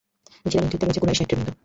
মিছিলের নেতৃত্বে রয়েছে কুরাইশ নেতৃবৃন্দ।